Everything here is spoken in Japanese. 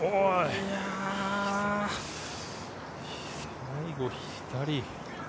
いや、最後、左。